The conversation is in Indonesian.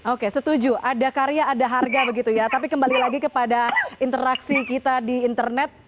oke setuju ada karya ada harga begitu ya tapi kembali lagi kepada interaksi kita di internet